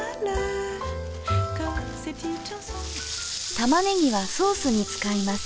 玉ねぎはソースに使います。